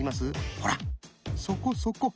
ほらそこそこ！